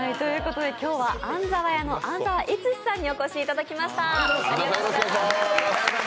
今日は安ざわ家の安澤悦史さんにお越しいただきました。